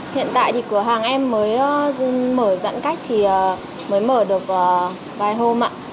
hiện tại thì cửa hàng em mới mở dặn cách thì mới mở được vài hôm ạ